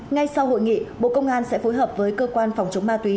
ngay sau hội nghị bộ công an sẽ phối hợp với cơ quan phòng chống ma túy